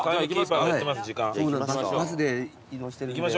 バスで移動してるんで。